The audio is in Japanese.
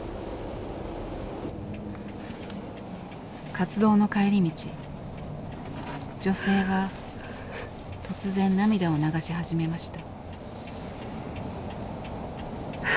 活動の帰り道女性が突然涙を流し始めました。